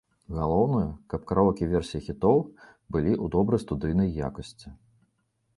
Галоўнае, каб караоке-версіі хітоў былі ў добрай студыйнай якасці.